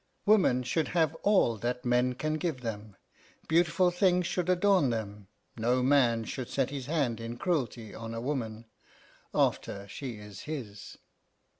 Women should have all that men can give them. Beautiful things should adorn them; no man should set his hand in cruelty on a woman after she is his.